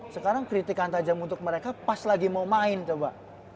sekarang kritikan tajem untuk mereka pas lagi mau main coba